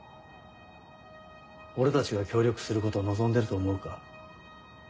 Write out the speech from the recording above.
俺たちが協力することを望んでると思うか？